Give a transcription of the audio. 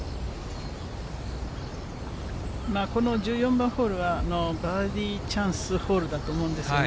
この１４番ホールは、バーディーチャンスホールだと思うんですね。